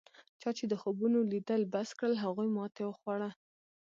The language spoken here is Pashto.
چا چې د خوبونو لیدل بس کړل هغوی ماتې وخوړه.